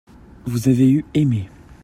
vous avez eu aimé.